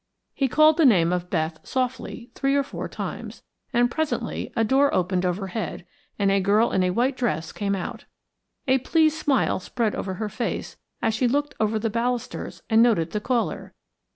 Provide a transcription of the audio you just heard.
He called the name of Beth softly three or four times, and presently a door opened overhead and a girl in a white dress came out. A pleased smile spread over her face as she looked over the balusters and noted the caller.